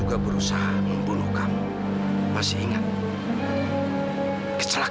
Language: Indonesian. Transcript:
sebenarnya bukan apa pak